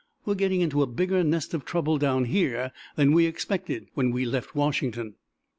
We are getting into a bigger nest of trouble down here than we expected when we left Washington."